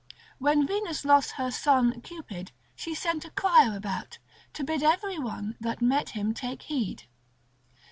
When Venus lost her son Cupid, she sent a crier about, to bid every one that met him take heed.